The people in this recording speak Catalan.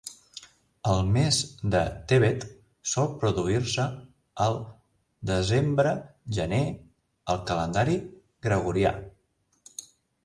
El mes de Tevet sol produir-se al desembre-gener al calendari gregorià.